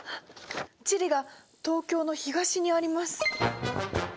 チリが東京の東にあります！